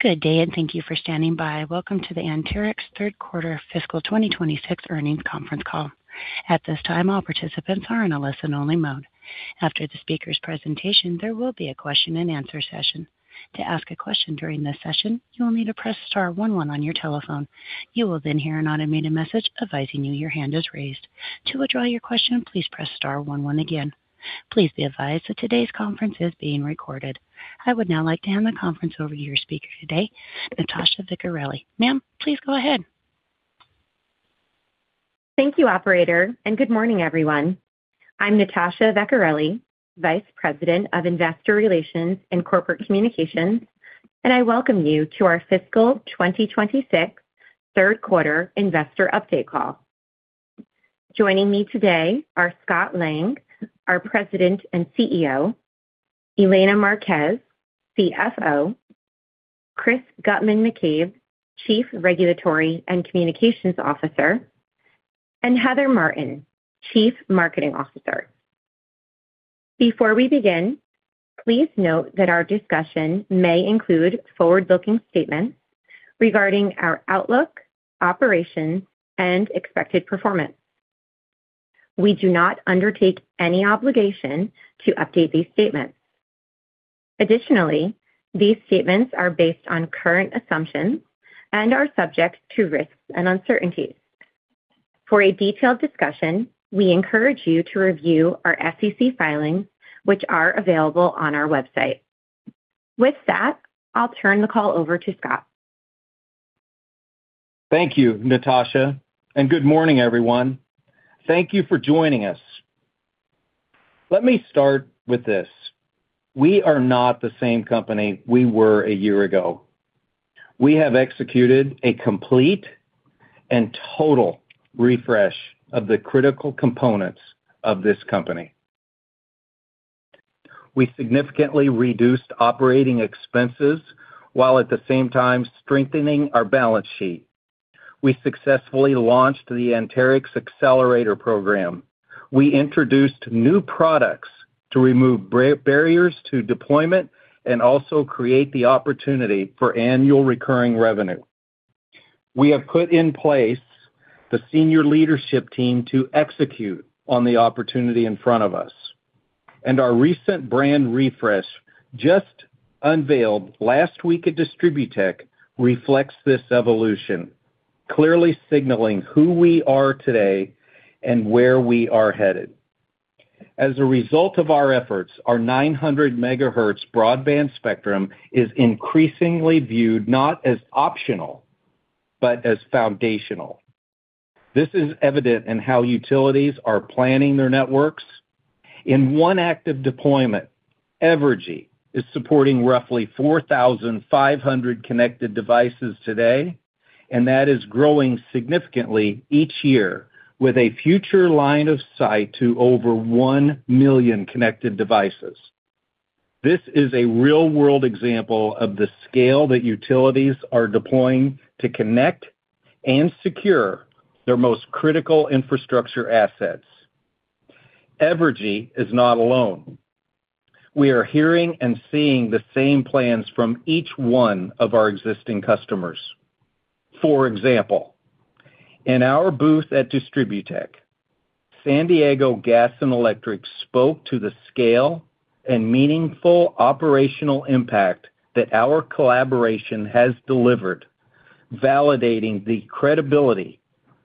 Good day, and thank you for standing by. Welcome to the Anterix third quarter fiscal 2026 earnings conference call. At this time, all participants are in a listen-only mode. After the speaker's presentation, there will be a question-and-answer session. To ask a question during this session, you will need to press star one one on your telephone. You will then hear an automated message advising you your hand is raised. To withdraw your question, please press star one one again. Please be advised that today's conference is being recorded. I would now like to hand the conference over to your speaker today, Natasha Vecchiarelli. Ma'am, please go ahead. Thank you, operator, and good morning, everyone. I'm Natasha Vecchiarelli, Vice President of Investor Relations and Corporate Communications, and I welcome you to our fiscal 2026 third quarter investor update call. Joining me today are Scott Lang, our President and CEO, Elena Marquez, CFO, Chris Guttman-McCabe, Chief Regulatory and Communications Officer, and Heather Martin, Chief Marketing Officer. Before we begin, please note that our discussion may include forward-looking statements regarding our outlook, operations, and expected performance. We do not undertake any obligation to update these statements. Additionally, these statements are based on current assumptions and are subject to risks and uncertainties. For a detailed discussion, we encourage you to review our SEC filings, which are available on our website. With that, I'll turn the call over to Scott. Thank you, Natasha, and good morning, everyone. Thank you for joining us. Let me start with this: We are not the same company we were a year ago. We have executed a complete and total refresh of the critical components of this company. We significantly reduced operating expenses, while at the same time strengthening our balance sheet. We successfully launched the Anterix Accelerator Program. We introduced new products to remove barriers to deployment and also create the opportunity for annual recurring revenue. We have put in place the senior leadership team to execute on the opportunity in front of us, and our recent brand refresh, just unveiled last week at DISTRIBUTECH, reflects this evolution, clearly signaling who we are today and where we are headed. As a result of our efforts, our 900 MHz broadband spectrum is increasingly viewed not as optional, but as foundational. This is evident in how utilities are planning their networks. In one act of deployment, Evergy is supporting roughly 4,500 connected devices today, and that is growing significantly each year, with a future line of sight to over 1 million connected devices. This is a real-world example of the scale that utilities are deploying to connect and secure their most critical infrastructure assets. Evergy is not alone. We are hearing and seeing the same plans from each one of our existing customers. For example, in our booth at DISTRIBUTECH, San Diego Gas & Electric spoke to the scale and meaningful operational impact that our collaboration has delivered, validating the credibility,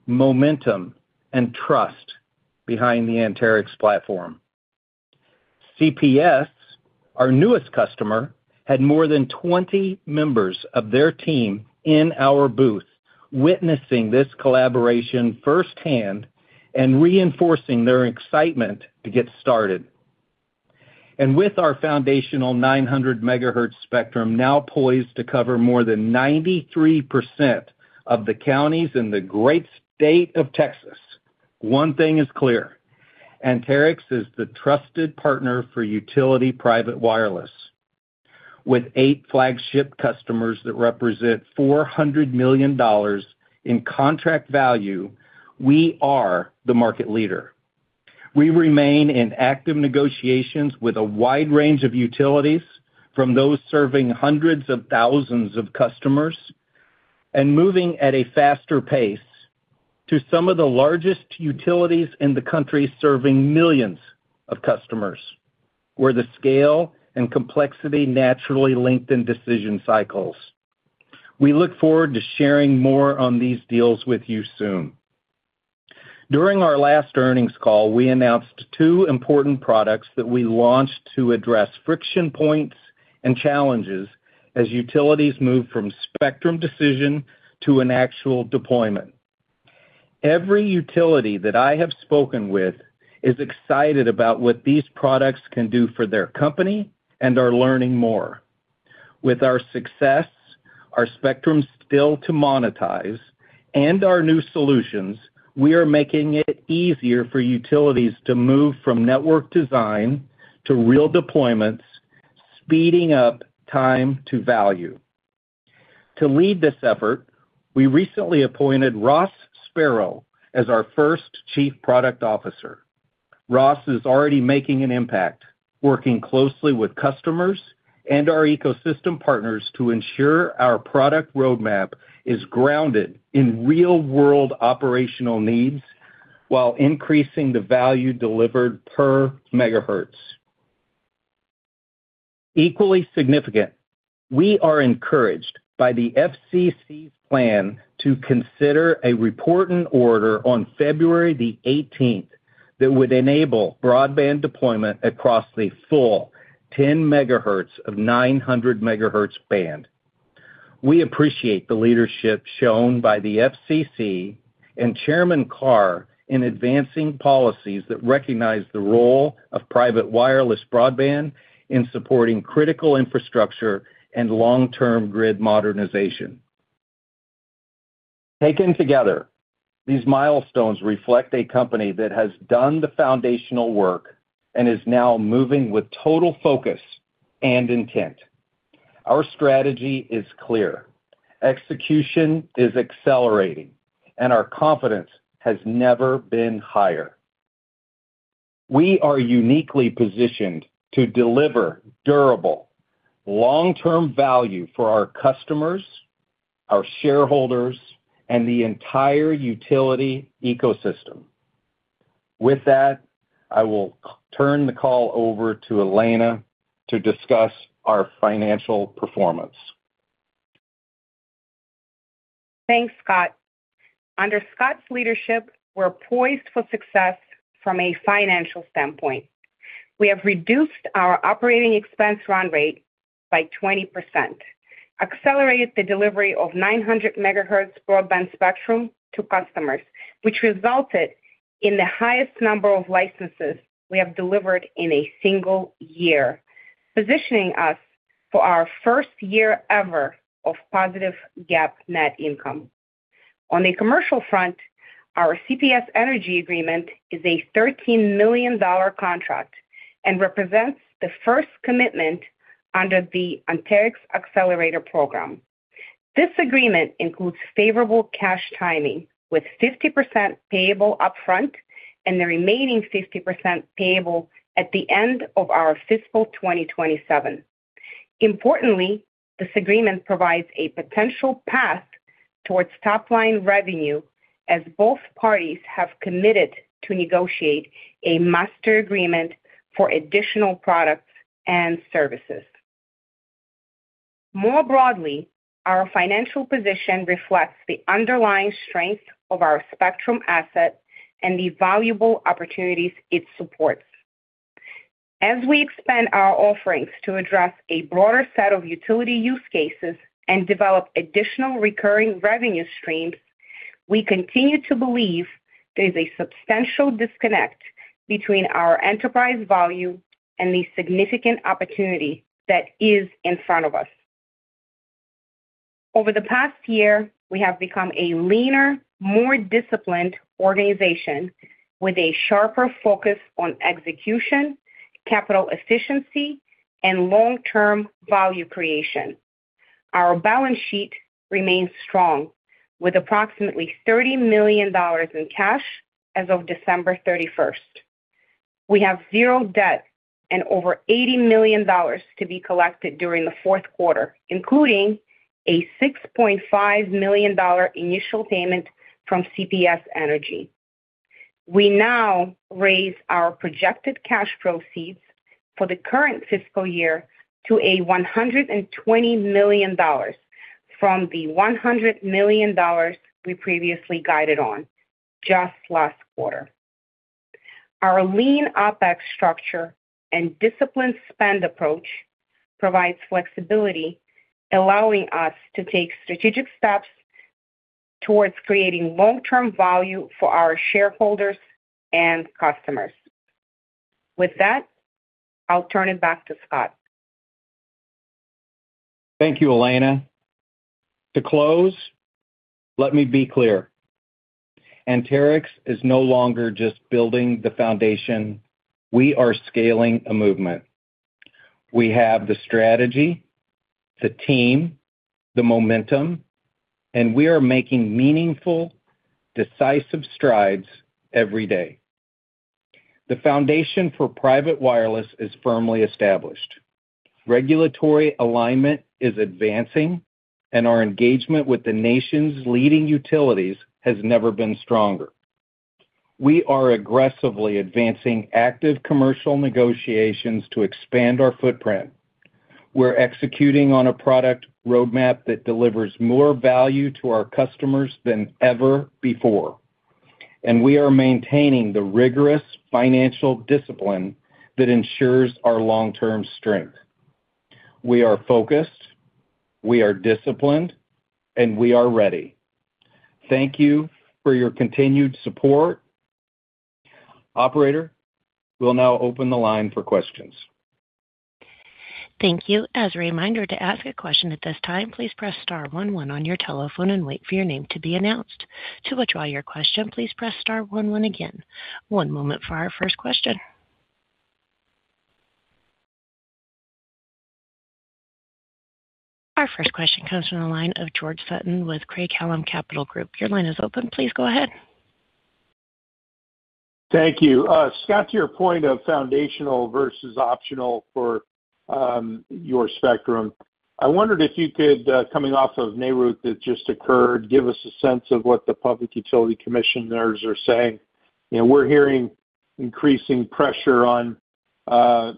momentum, and trust behind the Anterix platform. CPS, our newest customer, had more than 20 members of their team in our booth, witnessing this collaboration firsthand and reinforcing their excitement to get started. With our foundational 900 MHz spectrum now poised to cover more than 93% of the counties in the great state of Texas, one thing is clear: Anterix is the trusted partner for utility private wireless. With 8 flagship customers that represent $400 million in contract value, we are the market leader. We remain in active negotiations with a wide range of utilities, from those serving hundreds of thousands of customers and moving at a faster pace to some of the largest utilities in the country, serving millions of customers, where the scale and complexity naturally lengthen decision cycles. We look forward to sharing more on these deals with you soon. During our last earnings call, we announced two important products that we launched to address friction points and challenges as utilities move from spectrum decision to an actual deployment. Every utility that I have spoken with is excited about what these products can do for their company and are learning more. With our success, our spectrum still to monetize, and our new solutions, we are making it easier for utilities to move from network design to real deployments, speeding up time to value. To lead this effort, we recently appointed Ross Sparrow as our first Chief Product Officer. Ross is already making an impact, working closely with customers and our ecosystem partners to ensure our product roadmap is grounded in real-world operational needs, while increasing the value delivered per megahertz. Equally significant, we are encouraged by the FCC's plan to consider a Report and Order on February 18th that would enable broadband deployment across the full 10 megahertz of 900 megahertz band. We appreciate the leadership shown by the FCC and Chairman Carr in advancing policies that recognize the role of private wireless broadband in supporting critical infrastructure and long-term grid modernization. Taken together, these milestones reflect a company that has done the foundational work and is now moving with total focus and intent. Our strategy is clear, execution is accelerating, and our confidence has never been higher. We are uniquely positioned to deliver durable, long-term value for our customers, our shareholders, and the entire utility ecosystem. With that, I will turn the call over to Elena to discuss our financial performance. Thanks, Scott. Under Scott's leadership, we're poised for success from a financial standpoint. We have reduced our operating expense run rate by 20%, accelerated the delivery of 900 MHz broadband spectrum to customers, which resulted in the highest number of licenses we have delivered in a single year, positioning us for our first year ever of positive GAAP net income. On the commercial front, our CPS Energy agreement is a $13 million contract and represents the first commitment under the Anterix Accelerator Program. This agreement includes favorable cash timing, with 50% payable upfront and the remaining 50% payable at the end of our fiscal 2027. Importantly, this agreement provides a potential path towards top-line revenue, as both parties have committed to negotiate a master agreement for additional products and services. More broadly, our financial position reflects the underlying strength of our spectrum assets and the valuable opportunities it supports. As we expand our offerings to address a broader set of utility use cases and develop additional recurring revenue streams, we continue to believe there is a substantial disconnect between our enterprise value and the significant opportunity that is in front of us. Over the past year, we have become a leaner, more disciplined organization with a sharper focus on execution, capital efficiency, and long-term value creation. Our balance sheet remains strong, with approximately $30 million in cash as of December 31st. We have 0 debt and over $80 million to be collected during the fourth quarter, including a $6.5 million initial payment from CPS Energy. We now raise our projected cash proceeds for the current fiscal year to $120 million, from the $100 million we previously guided on just last quarter. Our lean OpEx structure and disciplined spend approach provides flexibility, allowing us to take strategic steps towards creating long-term value for our shareholders and customers. With that, I'll turn it back to Scott. Thank you, Elena. To close, let me be clear, Anterix is no longer just building the foundation, we are scaling a movement. We have the strategy, the team, the momentum, and we are making meaningful, decisive strides every day. The foundation for private wireless is firmly established. Regulatory alignment is advancing, and our engagement with the nation's leading utilities has never been stronger. We are aggressively advancing active commercial negotiations to expand our footprint. We're executing on a product roadmap that delivers more value to our customers than ever before, and we are maintaining the rigorous financial discipline that ensures our long-term strength. We are focused, we are disciplined, and we are ready. Thank you for your continued support. Operator, we'll now open the line for questions. Thank you. As a reminder, to ask a question at this time, please press star one one on your telephone and wait for your name to be announced. To withdraw your question, please press star one one again. One moment for our first question. Our first question comes from the line of George Sutton with Craig-Hallum Capital Group. Your line is open. Please go ahead. Thank you. Scott, to your point of foundational versus optional for your spectrum, I wondered if you could, coming off of NARUC that just occurred, give us a sense of what the public utility commissioners iare saying. You know, we're hearing increasing pressure on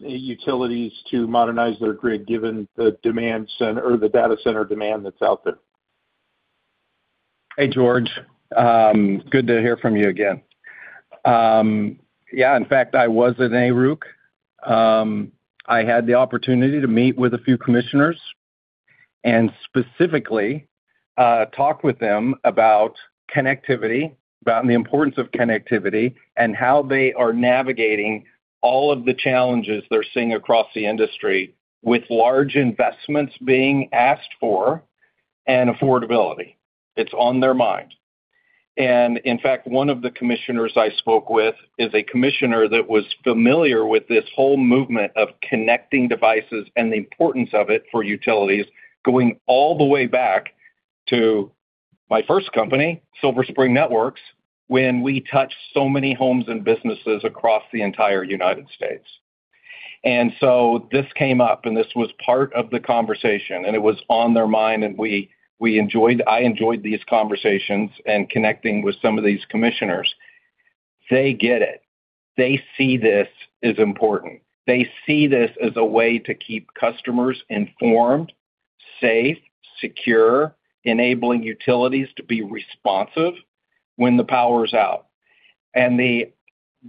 utilities to modernize their grid, given the demand center—or the data center demand that's out there. Hey, George. Good to hear from you again. Yeah, in fact, I was at NARUC. I had the opportunity to meet with a few commissioners and specifically talk with them about connectivity, about the importance of connectivity, and how they are navigating all of the challenges they're seeing across the industry, with large investments being asked for and affordability. It's on their mind. And in fact, one of the commissioners I spoke with is a commissioner that was familiar with this whole movement of connecting devices and the importance of it for utilities, going all the way back to my first company, Silver Spring Networks, when we touched so many homes and businesses across the entire United States. And so this came up, and this was part of the conversation, and it was on their mind, and we enjoyed... I enjoyed these conversations and connecting with some of these commissioners. They get it. They see this as important. They see this as a way to keep customers informed, safe, secure, enabling utilities to be responsive when the power is out. And the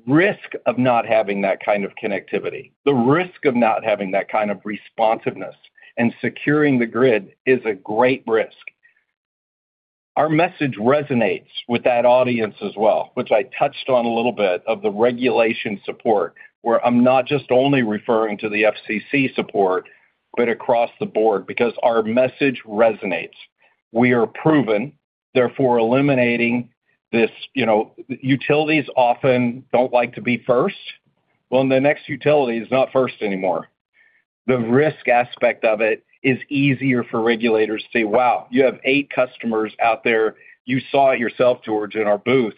risk of not having that kind of connectivity, the risk of not having that kind of responsiveness and securing the grid, is a great risk. Our message resonates with that audience as well, which I touched on a little bit of the regulation support, where I'm not just only referring to the FCC support, but across the board, because our message resonates. We are proven, therefore, eliminating this, you know... Utilities often don't like to be first. Well, the next utility is not first anymore. The risk aspect of it is easier for regulators to say, "Wow, you have 8 customers out there." You saw it yourself, George, in our booth,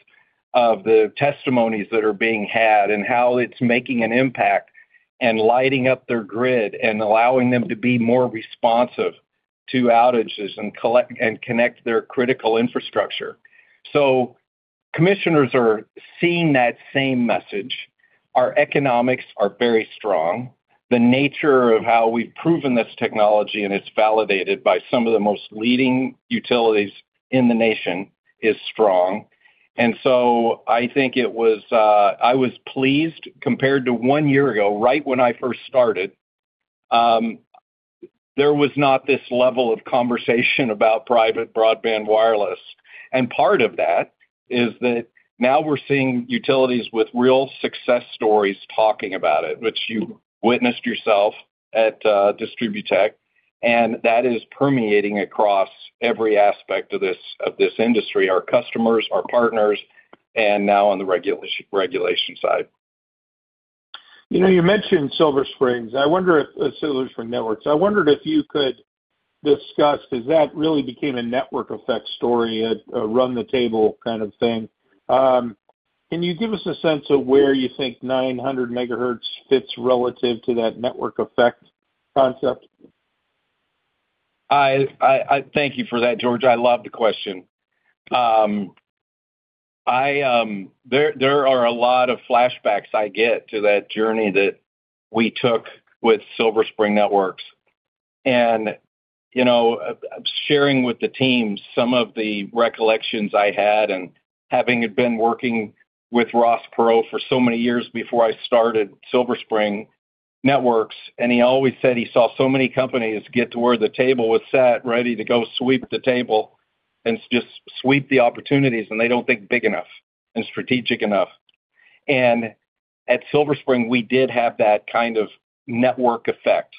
of the testimonies that are being had and how it's making an impact and lighting up their grid and allowing them to be more responsive to outages and collect and connect their critical infrastructure. So commissioners are seeing that same message. Our economics are very strong. The nature of how we've proven this technology, and it's validated by some of the most leading utilities in the nation, is strong. And so I think it was, I was pleased, compared to 1 year ago, right when I first started, there was not this level of conversation about private broadband wireless. And part of that is that now we're seeing utilities with real success stories talking about it, which you witnessed yourself at DISTRIBUTECH, and that is permeating across every aspect of this industry, our customers, our partners, and now on the regulation side. You know, you mentioned Silver Spring Networks. I wonder if you could discuss, because that really became a network effect story, a run-the-table kind of thing. Can you give us a sense of where you think 900 MHz fits relative to that network effect concept? I thank you for that, George. I love the question. There are a lot of flashbacks I get to that journey that we took with Silver Spring Networks. And, you know, sharing with the team some of the recollections I had and having been working with Ross Perot for so many years before I started Silver Spring Networks, and he always said he saw so many companies get to where the table was set, ready to go sweep the table and just sweep the opportunities, and they don't think big enough and strategic enough. And at Silver Spring, we did have that kind of network effect,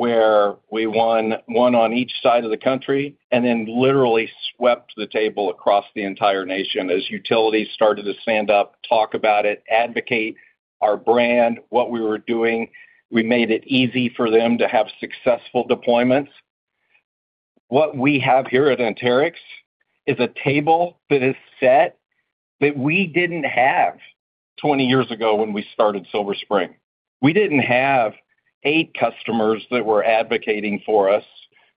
where we won one on each side of the country and then literally swept the table across the entire nation as utilities started to stand up, talk about it, advocate our brand, what we were doing. We made it easy for them to have successful deployments. What we have here at Anterix is a table that is set that we didn't have 20 years ago when we started Silver Spring. We didn't have 8 customers that were advocating for us.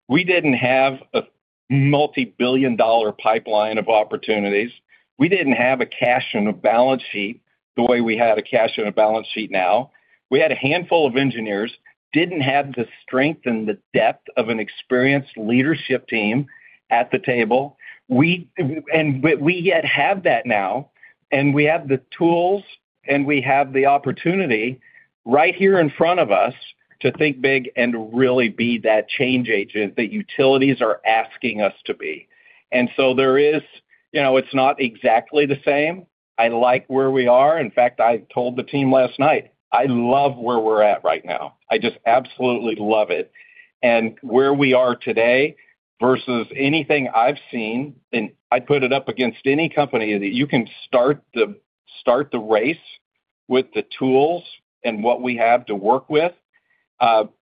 We didn't have a multibillion-dollar pipeline of opportunities. We didn't have a cash in a balance sheet the way we had a cash in a balance sheet now. We had a handful of engineers, didn't have the strength and the depth of an experienced leadership team at the table. We, and but we yet have that now, and we have the tools, and we have the opportunity right here in front of us to think big and really be that change agent that utilities are asking us to be. And so there is... You know, it's not exactly the same. I like where we are. In fact, I told the team last night, "I love where we're at right now. I just absolutely love it." And where we are today versus anything I've seen, and I'd put it up against any company that you can start the race with the tools and what we have to work with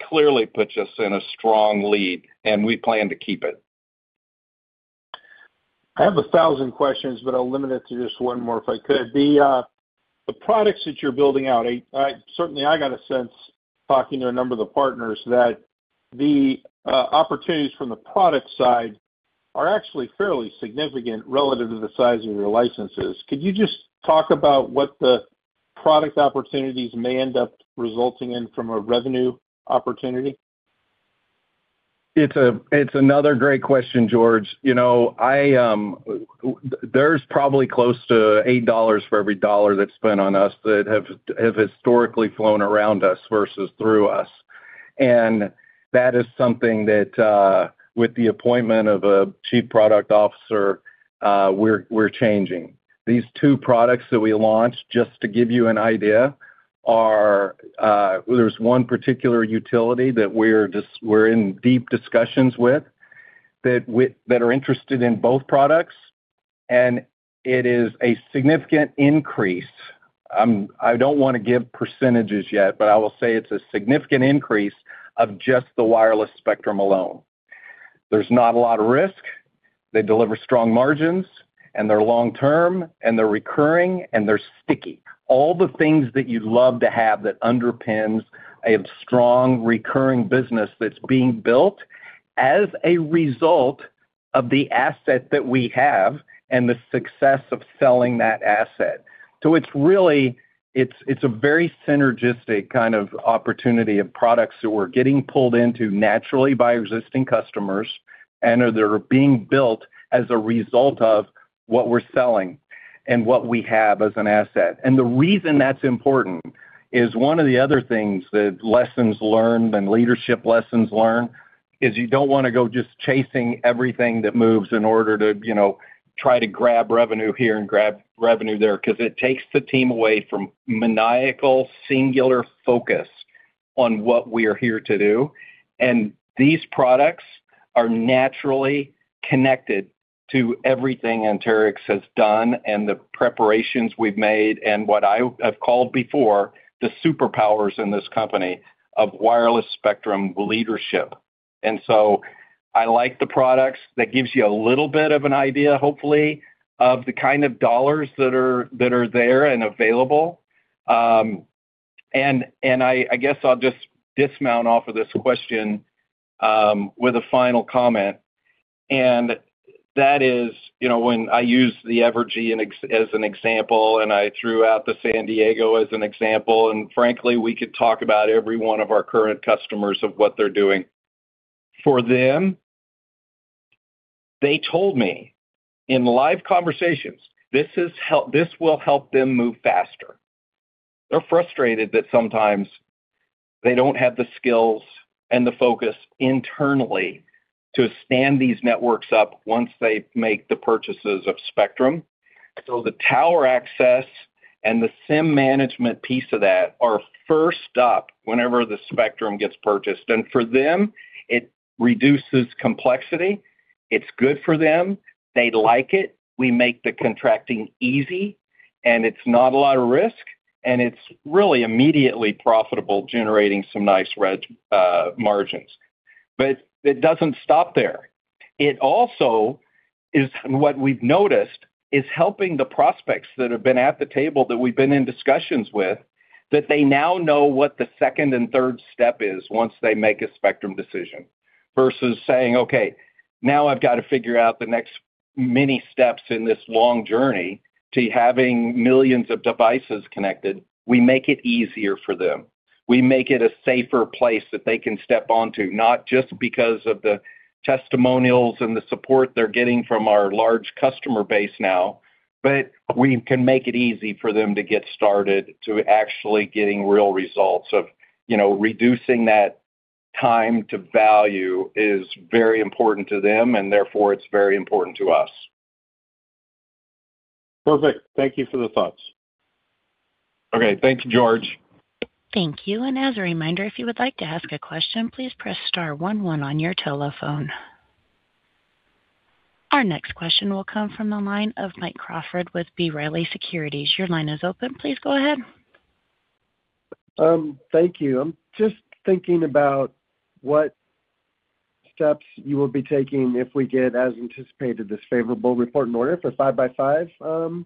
clearly puts us in a strong lead, and we plan to keep it. I have 1,000 questions, but I'll limit it to just one more, if I could. The products that you're building out, I certainly got a sense, talking to a number of the partners, that the opportunities from the product side are actually fairly significant relative to the size of your licenses. Could you just talk about what the product opportunities may end up resulting in from a revenue opportunity? It's another great question, George. You know, there's probably close to $8 for every $1 that's spent on us that have historically flown around us versus through us. And that is something that, with the appointment of a chief product officer, we're changing. These two products that we launched, just to give you an idea, there's one particular utility that we're just in deep discussions with, that are interested in both products, and it is a significant increase. I don't want to give percentages yet, but I will say it's a significant increase of just the wireless spectrum alone. There's not a lot of risk. They deliver strong margins, and they're long term, and they're recurring, and they're sticky. All the things that you'd love to have that underpins a strong, recurring business that's being built as a result of the asset that we have and the success of selling that asset. So it's really, it's, it's a very synergistic kind of opportunity of products that we're getting pulled into naturally by existing customers, and they're being built as a result of what we're selling and what we have as an asset. And the reason that's important is one of the other things, the lessons learned and leadership lessons learned, is you don't want to go just chasing everything that moves in order to, you know, try to grab revenue here and grab revenue there, because it takes the team away from maniacal, singular focus on what we are here to do. These products are naturally connected to everything Anterix has done and the preparations we've made and what I have called before, the superpowers in this company of wireless spectrum leadership. So I like the products. That gives you a little bit of an idea, hopefully, of the kind of dollars that are there and available. And I guess I'll just dismount off of this question with a final comment, and that is, you know, when I use the Evergy as an example, and I threw out the San Diego as an example, and frankly, we could talk about every one of our current customers of what they're doing. For them, they told me in live conversations, this will help them move faster. They're frustrated that sometimes they don't have the skills and the focus internally to stand these networks up once they make the purchases of spectrum. So the tower access and the SIM management piece of that are first up whenever the spectrum gets purchased. And for them, it reduces complexity, it's good for them, they like it, we make the contracting easy, and it's not a lot of risk, and it's really immediately profitable, generating some nice red margins. But it doesn't stop there. It also is, what we've noticed, is helping the prospects that have been at the table, that we've been in discussions with, that they now know what the second and third step is once they make a spectrum decision, versus saying, "Okay, now I've got to figure out the next many steps in this long journey to having millions of devices connected." We make it easier for them. We make it a safer place that they can step on to, not just because of the testimonials and the support they're getting from our large customer base now, but we can make it easy for them to get started to actually getting real results of, you know, reducing that time to value is very important to them, and therefore, it's very important to us. Perfect. Thank you for the thoughts. Okay. Thanks, George. Thank you. As a reminder, if you would like to ask a question, please press star one one on your telephone. Our next question will come from the line of Mike Crawford with B. Riley Securities. Your line is open. Please go ahead. Thank you. I'm just thinking about what steps you will be taking if we get, as anticipated, this favorable report in order for 5 by 5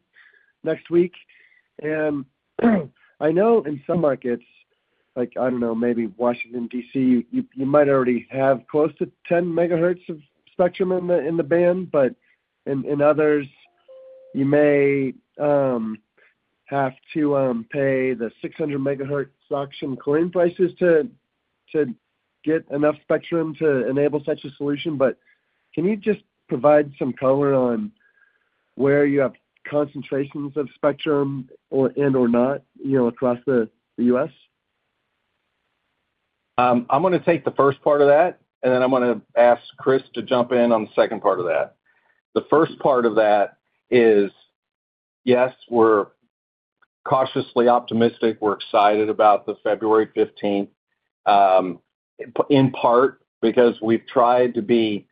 next week. And I know in some markets, like, I don't know, maybe Washington, D.C., you might already have close to 10 MHz of spectrum in the band, but in others, you may have to pay the 600 MHz auction clearing prices to get enough spectrum to enable such a solution. But can you just provide some color on where you have concentrations of spectrum or, and, or not, you know, across the U.S.? I'm gonna take the first part of that, and then I'm gonna ask Chris to jump in on the second part of that. The first part of that is, yes, we're cautiously optimistic. We're excited about the February fifteenth in part, because we've tried to be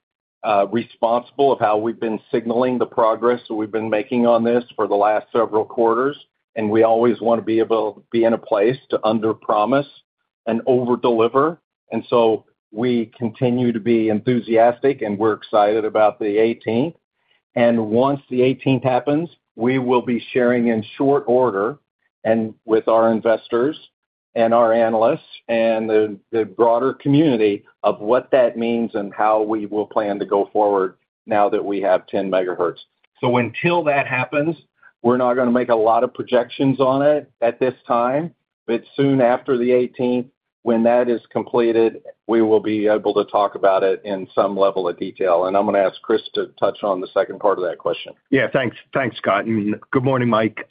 responsible of how we've been signaling the progress that we've been making on this for the last several quarters, and we always wanna be able to be in a place to underpromise and overdeliver. And so we continue to be enthusiastic, and we're excited about the eighteenth. And once the eighteenth happens, we will be sharing in short order, and with our investors, and our analysts, and the broader community, of what that means and how we will plan to go forward now that we have 10 megahertz. So until that happens, we're not gonna make a lot of projections on it at this time. But soon after the eighteenth, when that is completed, we will be able to talk about it in some level of detail, and I'm gonna ask Chris to touch on the second part of that question. Yeah, thanks. Thanks, Scott. And good morning, Mike.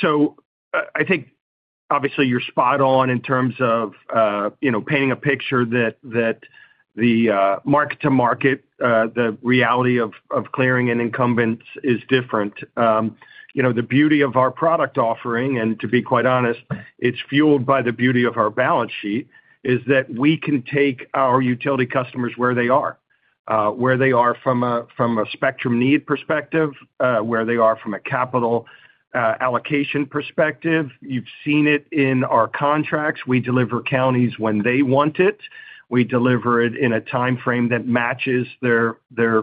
So, I think obviously you're spot on in terms of, you know, painting a picture that the market-to-market, the reality of clearing and incumbents is different. You know, the beauty of our product offering, and to be quite honest, it's fueled by the beauty of our balance sheet, is that we can take our utility customers where they are. Where they are from a spectrum need perspective, where they are from a capital allocation perspective. You've seen it in our contracts. We deliver counties when they want it. We deliver it in a timeframe that matches their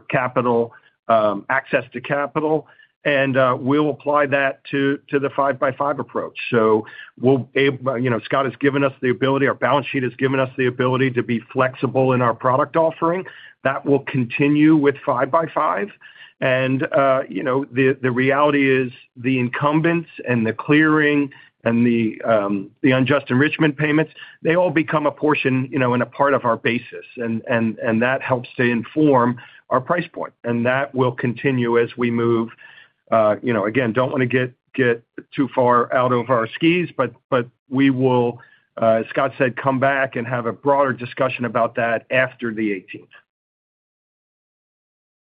capital access to capital, and we'll apply that to the five-by-five approach. So we'll able... You know, Scott has given us the ability, our balance sheet has given us the ability to be flexible in our product offering. That will continue with 5 by 5. And, you know, the reality is the incumbents, and the clearing, and the unjust enrichment payments, they all become a portion, you know, and a part of our basis, and that helps to inform our price point, and that will continue as we move. You know, again, don't wanna get too far out of our skis, but we will, as Scott said, come back and have a broader discussion about that after the eighteenth.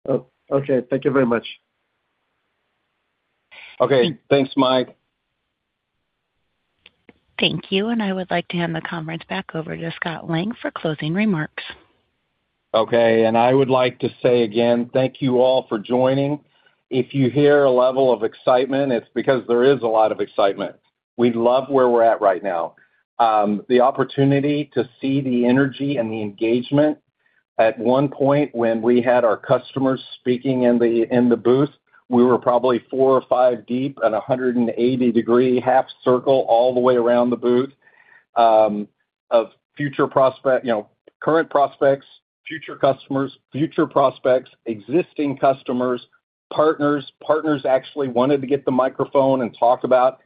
Oh, okay. Thank you very much. Okay. Thanks, Mike. Thank you, and I would like to hand the conference back over to Scott Lang for closing remarks. Okay, and I would like to say again, thank you all for joining. If you hear a level of excitement, it's because there is a lot of excitement. We love where we're at right now. The opportunity to see the energy and the engagement. At one point, when we had our customers speaking in the booth, we were probably four or five deep at a 180-degree half circle, all the way around the booth, of future prospects. You know, current prospects, future customers, future prospects, existing customers, partners. Partners actually wanted to get the microphone and talk about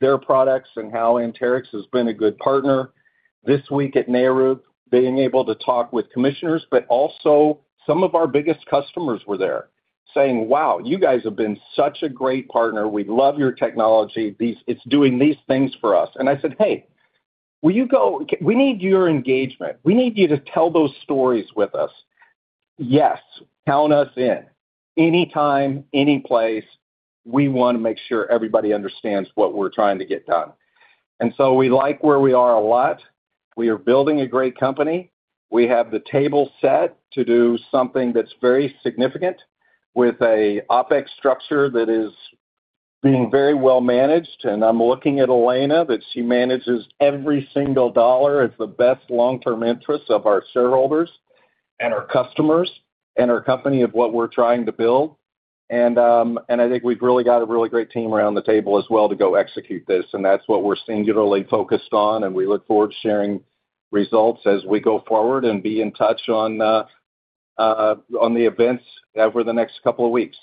their products and how Anterix has been a good partner. This week at NARUC, being able to talk with commissioners, but also some of our biggest customers were there, saying, "Wow, you guys have been such a great partner. We love your technology. It's doing these things for us." And I said, "Hey, will you go... We need your engagement. We need you to tell those stories with us." Yes, count us in. Anytime, any place, we wanna make sure everybody understands what we're trying to get done. And so we like where we are a lot. We are building a great company. We have the table set to do something that's very significant, with an OpEx structure that is being very well managed. And I'm looking at Elena, that she manages every single dollar as the best long-term interest of our shareholders, and our customers, and our company of what we're trying to build. I think we've really got a really great team around the table as well to go execute this, and that's what we're singularly focused on, and we look forward to sharing results as we go forward, and be in touch on the events over the next couple of weeks.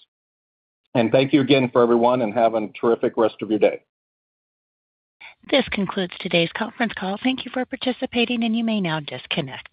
And thank you again for everyone, and have a terrific rest of your day. This concludes today's conference call. Thank you for participating, and you may now disconnect.